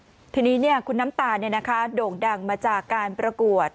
อืมทีนี้เนี่ยคุณน้ำตาลเนี่ยนะคะโด่งดังมาจากการประกวด